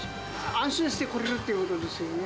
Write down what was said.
安心して来れるということですよね。